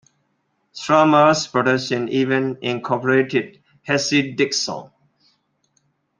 Stramer's productions even incorporated Hasidic songs.